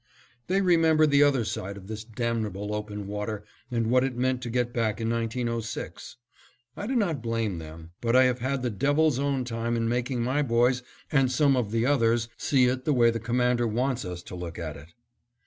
They remember the other side of this damnable open water and what it meant to get back in 1906. I do not blame them, but I have had the Devil's own time in making my boys and some of the others see it the way the Commander wants us to look at it.